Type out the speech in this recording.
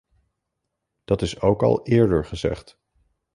Dat is ook al eerder gezegd.